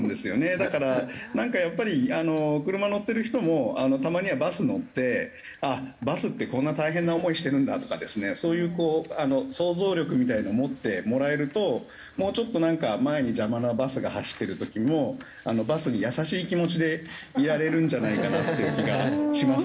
だからなんかやっぱりあの車乗ってる人もたまにはバス乗ってバスってこんな大変な思いしてるんだとかですねそういうこう想像力みたいの持ってもらえるともうちょっとなんか前に邪魔なバスが走ってる時もバスに優しい気持ちでいられるんじゃないかなっていう気がしますので。